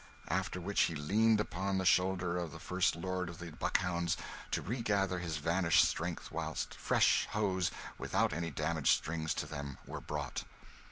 after which he leaned upon the shoulder of the First Lord of the Buckhounds to regather his vanished strength whilst fresh hose, without any damaged strings to them, were brought.